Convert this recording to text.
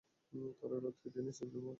তারা রাতকে দিনের চেয়ে উজ্জ্বল করে ফেলেছে।